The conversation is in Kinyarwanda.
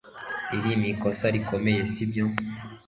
iri ni ikosa rikomeye, sibyo